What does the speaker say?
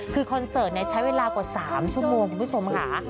คือคอนเสิร์ตใช้เวลากว่า๓ชั่วโมงคุณผู้ชมค่ะ